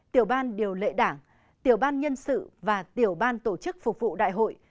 tiểu ban điều lệ đảng tiểu ban nhân sự và tiểu ban tổ chức phục vụ đại hội